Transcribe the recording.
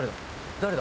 誰だ？